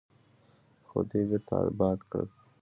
خو دوی بیرته اباد کړل.